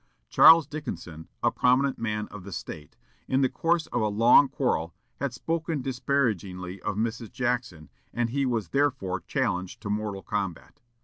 Charles Dickinson, a prominent man of the State, in the course of a long quarrel, had spoken disparagingly of Mrs. Jackson, and he was therefore challenged to mortal combat.